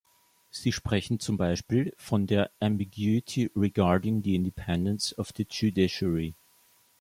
Sie sprechen zum Beispiel von der "ambiguity regarding the independence of the Judiciary".